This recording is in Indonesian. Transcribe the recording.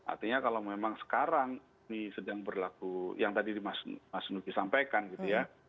artinya kalau memang sekarang ini sedang berlaku yang tadi mas nugi sampaikan gitu ya